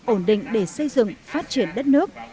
ổn định để xây dựng phát triển đất nước